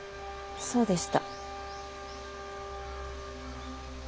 そうでした。